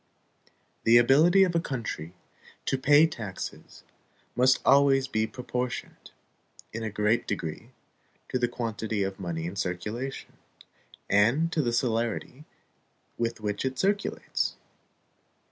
The ability of a country to pay taxes must always be proportioned, in a great degree, to the quantity of money in circulation, and to the celerity with which it circulates.